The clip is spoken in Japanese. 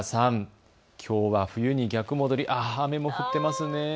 きょうは冬に逆戻り、雨も降っていますね。